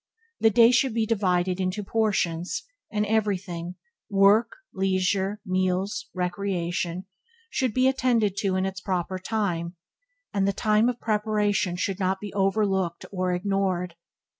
The day should be divided into portions, and everything – work, leisure, meals, recreation – should be attend to in its proper time; and the time of preparation should not be overlooked or ignored.